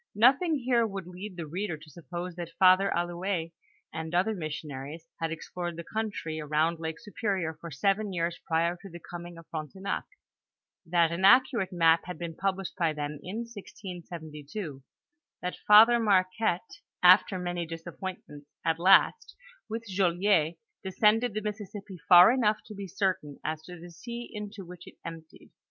Nothing here would lead the reader to suppose that Father Allouez and other missionaries had explored the country around Lake Superior for seven years prior to the coming of Frontenac ; that an accurate map had been published by them, in 1672 ; that Father Marquette, after many disappointments, at last, with Joliet^ descended the Mississippi far enough to be certain as to the sea into which it emptied.